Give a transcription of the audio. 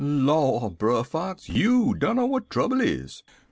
"'Lor', Brer Fox, you dunner w'at trubble is.